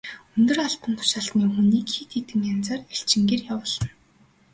Өндөр албан тушаалын хүнийг хэд хэдэн янзаар элчингээр явуулна.